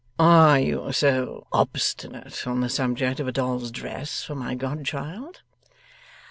'Are you so obstinate on the subject of a doll's dress for my godchild?